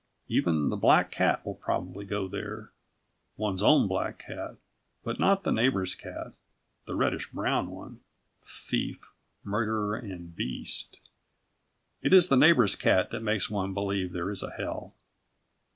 Even the black cat will probably go there one's own black cat. But not the neighbour's cat the reddish brown one thief, murderer and beast. It is the neighbour's cat that makes one believe there is a hell.